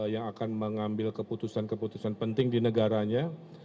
yang akan mengambil keputusan keputusan penting di negaranya